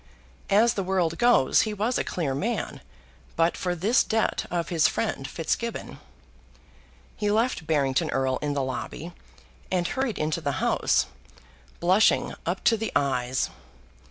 As the world goes he was a clear man, but for this debt of his friend Fitzgibbon. He left Barrington Erle in the lobby, and hurried into the House, blushing up to the eyes.